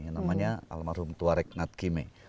yang namanya almarhum tuareg ngatkime